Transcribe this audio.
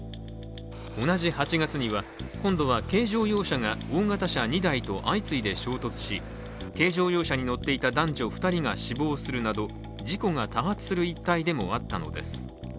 同じ８月には今度は軽乗用車が大型車２台と相次いで衝突し、軽乗用車に乗っていた男女２人が死亡するなど事故が多発する一帯でもあったのです。